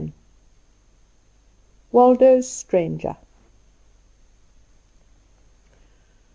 II. Waldo's Stranger.